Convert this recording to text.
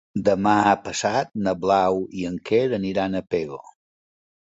Demà passat na Blau i en Quer aniran a Pego.